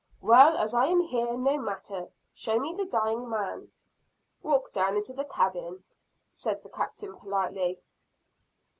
"Well, as I am here, no matter. Show me the dying man." "Walk down into the cabin," said the Captain politely.